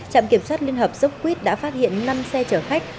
trạm kiểm soát liên hợp sốc quýt đã phát hiện năm xe chở khách